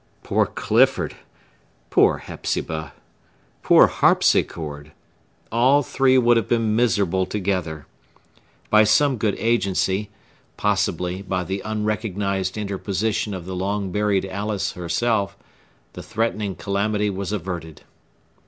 Poor Clifford! Poor Hepzibah! Poor harpsichord! All three would have been miserable together. By some good agency,—possibly, by the unrecognized interposition of the long buried Alice herself,—the threatening calamity was averted.